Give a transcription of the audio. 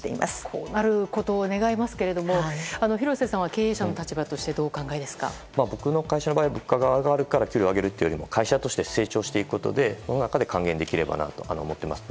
こうなることを願いますけど廣瀬さんは経営者の立場として僕の会社の場合は物価が上がるから給料が上がるというより会社として成長していくことでその中で還元できればなと思っています。